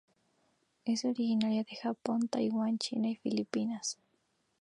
Es originaria de Japón, Taiwán, China y Filipinas.